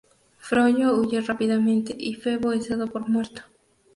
Frollo huye rápidamente y Febo es dado por muerto.